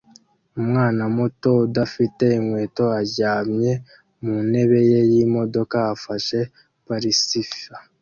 umwana muto udafite inkweto aryamye mu ntebe ye y'imodoka afashe pacifier